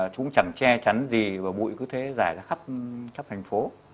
chúng chẳng che chắn gì và bụi cứ thế giải ra khắp thành phố